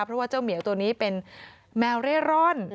เพราะว่าเจ้าเหมียวตัวนี้เป็นแมวเร่ร่อน